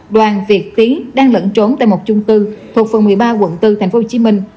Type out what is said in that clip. đoàn việt tiến đang lẫn trốn tại một chung cư thuộc phường một mươi ba quận bốn thành phố hồ chí minh